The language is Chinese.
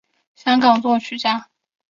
香港作曲家。